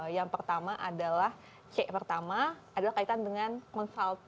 yang pertama adalah c pertama adalah kaitan dengan konsultasi